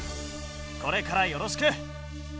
これからよろしく！